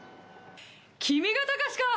君が高志か！